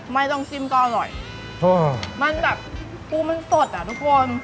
ไม่ต้องจิ้มก็อร่อยมันแบบปูมันสดอ่ะทุกคน